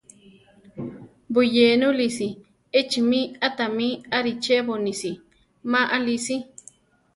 Buyénulisi! Echimi a tami arichebonisi ma alisi.